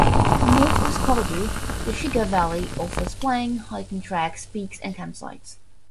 North of Skardu, the Shigar Valley offers plains, hiking tracks, peaks and campsites.